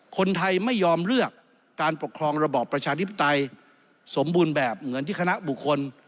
คนไทยไม่ยอมเลือกการปกครองระบอบประชาธิปไตยสมบูรณ์แบบเหมือนที่คณะบุคคล